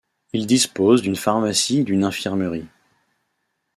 Ils disposent d'une pharmacie et d'une infirmerie.